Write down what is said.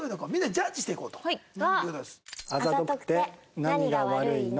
あざとくて何が悪いの？